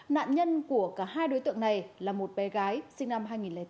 nạn nhân của cả hai đối tượng này là một bé gái sinh năm hai nghìn tám